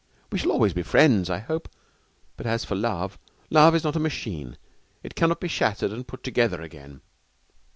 We shall always be friends, I hope. But as for love love is not a machine. It cannot be shattered and put together again.'